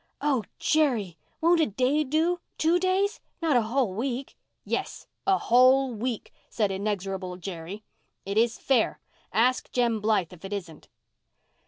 "Oh, Jerry, won't a day do—two days? Not a whole week!" "Yes, a whole week," said inexorable Jerry. "It is fair—ask Jem Blythe if it isn't."